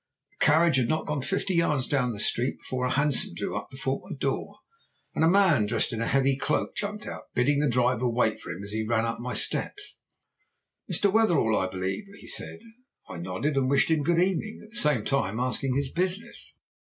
The carriage had not gone fifty yards down the street before a hansom drew up before my door and a man dressed in a heavy cloak jumped out. Bidding the driver wait for him he ran up my steps. "'Mr. Wetherell, I believe?' he said. I nodded and wished him 'good evening,' at the same time asking his business.